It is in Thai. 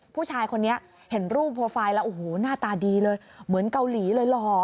ผู้ชายคนนี้เห็นรูปโปรไฟล์แล้วโอ้โหหน้าตาดีเลยเหมือนเกาหลีเลยหล่อ